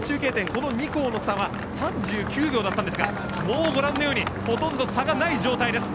この２校の差は３９秒でしたがもうご覧のようにほとんど差がない状態です。